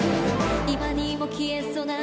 「今にも消えそうな」